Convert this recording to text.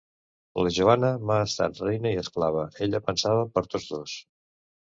La Joana m’ha estat reina i esclava; ella pensava per tots dos.